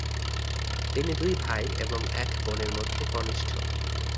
তিনি দুই ভাই এবং এক বোনের মধ্যে কনিষ্ঠ।